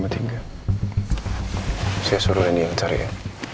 saya suruh ini yang cari ya